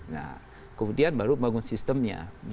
nah kemudian baru bangun sistemnya